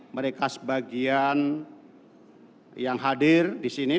mereka sebagian yang hadir di sini